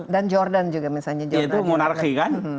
dan jordan juga misalnya itu monarki kan